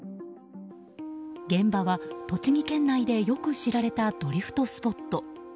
現場は栃木県内でよく知られたドリフトスポット。